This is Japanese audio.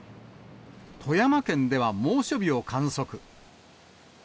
富山県では猛暑日を観測。